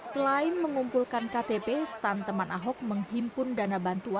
selama ahok menjabat sebagai gubernur